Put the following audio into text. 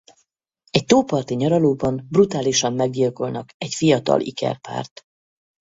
Egy tóparti nyaralóban brutálisan meggyilkolnak egy fiatal ikerpárt.